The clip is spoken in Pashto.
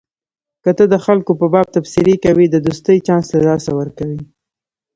که ته د خلکو په باب تبصرې کوې د دوستۍ چانس له لاسه ورکوې.